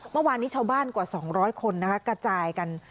เมื่อวานนี้ชาวบ้านกว่า๒๐๐คนนะคะกระจายกัน